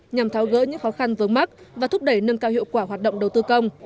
nhằm tháo gỡ những khó khăn vướng mắt và thúc đẩy nâng cao hiệu quả hoạt động đầu tư công